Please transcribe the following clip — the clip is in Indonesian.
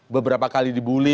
beberapa kali dibully